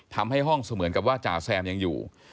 ทำให้ห้องเสมือนกับว่าจ่าแซมยังอยู่